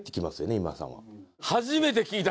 今田さんは。